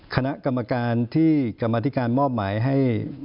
คณะกรรมการที่กรรมธิการมอบหมายให้